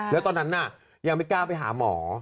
แล้วตอนนั้นน่ะยังไม่กล้าไปหาหมอ